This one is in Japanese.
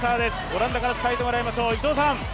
オランダから伝えてもらいましょう。